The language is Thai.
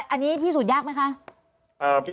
อันนี้พิสูจน์ยากไหมคะ